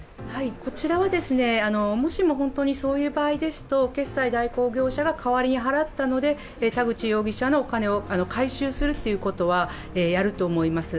こちらはもしも本当にそういう場合ですと決済代行業者が代わりに払ったので、田口容疑者のお金を回収するということは、やると思います。